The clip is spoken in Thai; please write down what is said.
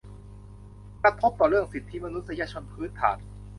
กระทบต่อเรื่องสิทธิมนุษยชนพื้นฐาน